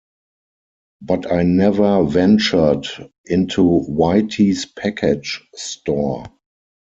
But I never ventured into Whitey's package store.